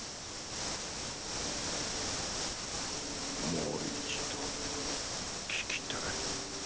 もう一度聴きたい。